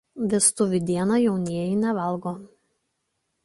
Vestuvių dieną jaunieji nevalgo.